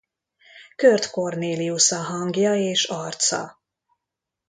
Curt Cornelius a hangja és arca.